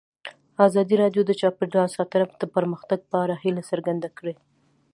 ازادي راډیو د چاپیریال ساتنه د پرمختګ په اړه هیله څرګنده کړې.